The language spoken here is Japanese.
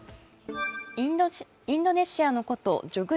インドネシアの古都ジョグ